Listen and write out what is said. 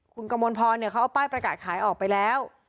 คุณกมลพรเขาเอาป้ายประกาศขายออกไปแล้ว